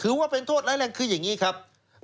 ถือว่าเป็นโทษร้ายแรงคืออย่างนี้ครับ